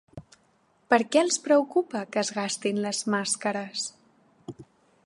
Per què els preocupa que es gastin les màscares?